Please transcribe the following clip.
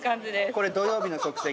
これ土曜日の足跡？